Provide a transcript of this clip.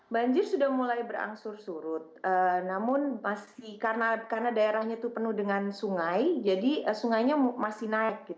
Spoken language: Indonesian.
banjir sudah mulai berangsur surut namun karena daerahnya itu penuh dengan sungai jadi sungainya masih naik